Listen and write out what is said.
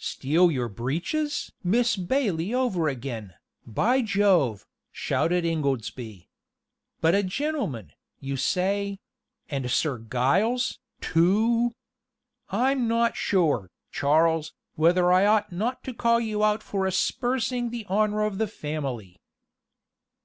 "Steal your breeches! Miss Bailey over again, by Jove," shouted Ingoldsby. "But a gentleman, you say and Sir Giles, too. I am not sure, Charles, whether I ought not to call you out for aspersing the honor of the family."